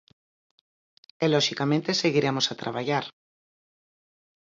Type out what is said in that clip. E loxicamente seguiremos a traballar.